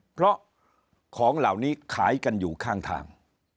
เพราะของเหล่านี้ขายกันอยู่ข้างทาง